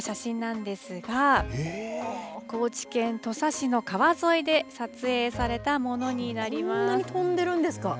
こちらが写真なんですが、高知県土佐市の川沿いで撮影されたものこんな飛んでるか？